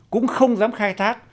cũng không dám khai thác